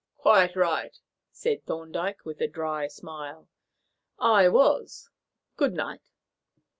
"Quite right," said Thorndyke, with a dry smile, "I was. Good night."